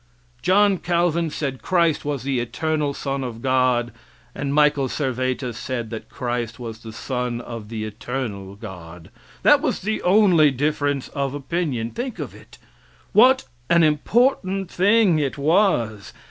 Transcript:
John Calvin said Christ was the Eternal Son of God and Michael Servetus said that Christ was the son of the Eternal God. That was the only difference of opinion. Think of it! What an important thing it was!